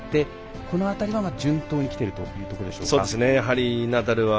全豪、全仏と勝って、この辺りは順当にきているというところでしょうか。